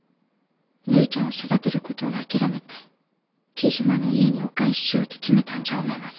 るいちゃんを育てることを諦めて雉真の家にお返ししようて決めたんじゃ思います。